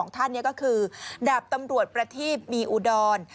ท่านก็คือดาบตำรวจประทีบมีอุดร